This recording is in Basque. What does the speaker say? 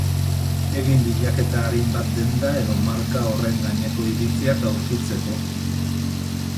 Egin bilaketa arin bat denda edo marka horren gaineko iritziak aurkitzeko.